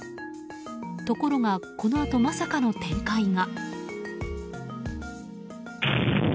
ところがこのあとまさかの展開が。